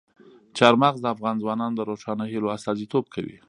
چار مغز د افغان ځوانانو د روښانه هیلو استازیتوب کوي.